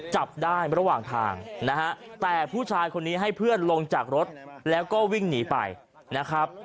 จับได้ระหว่างทางนะฮะแต่ผู้ชายคนนี้ให้เพื่อนลงจากรถแล้วก็วิ่งหนีไปนะครับ